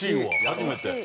初めて。